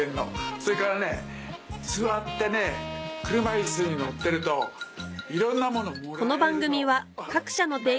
それからね座って車いすに乗ってるといろんなものもらえるの。